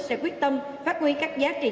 sẽ quyết tâm phát huy các giá trị